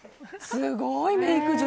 すごいメイク術。